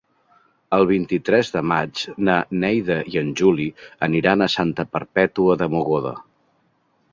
El vint-i-tres de maig na Neida i en Juli aniran a Santa Perpètua de Mogoda.